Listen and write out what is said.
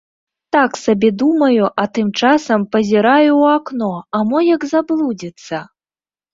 Так сабе думаю, а тым часам пазіраю ў акно, а мо як заблудзіцца.